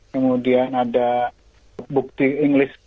kemudian ada bukti inggris